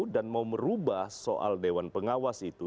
dan mau merubah soal dewan pengawas itu